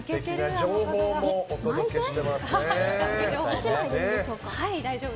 １枚でいいでしょうか。